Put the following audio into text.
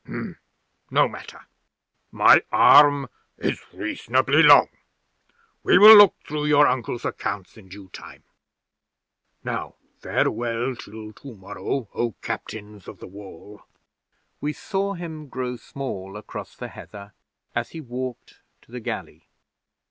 '"No matter. My arm is reasonably long. We will look through your uncle's accounts in due time. Now, farewell till to morrow, O Captains of the Wall!" 'We saw him grow small across the heather as he walked to the galley.